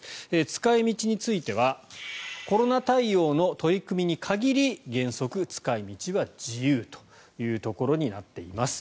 使い道についてはコロナ対応の取り組みに限り原則、使い道は自由というところになっています。